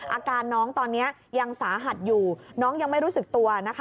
อาการน้องตอนนี้ยังสาหัสอยู่น้องยังไม่รู้สึกตัวนะคะ